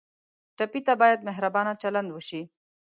ټپي ته باید مهربانه چلند وشي.